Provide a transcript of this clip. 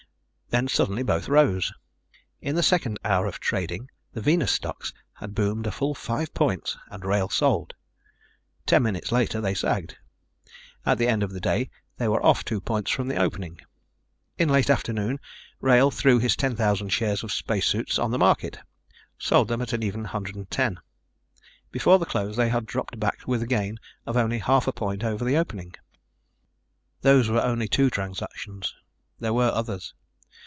Then suddenly both rose. In the second hour of trading the Venus stocks had boomed a full five points and Wrail sold. Ten minutes later they sagged. At the end of the day they were off two points from the opening. In late afternoon Wrail threw his 10,000 shares of Spacesuits on the market, sold them at an even 110. Before the close they had dropped back with a gain of only half a point over the opening. Those were only two transactions. There were others.